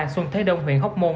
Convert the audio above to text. xuân thế đông huyện hóc môn